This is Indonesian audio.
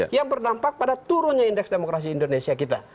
yang berdampak pada turunnya indeks demokrasi indonesia kita